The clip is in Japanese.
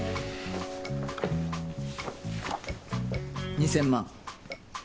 「２０００万」。